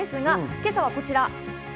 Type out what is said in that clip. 今朝はこちら。